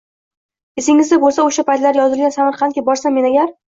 Esingizda bo‘lsa, o‘sha paytlarda yozilgan “Samarqandga borsam men agar…”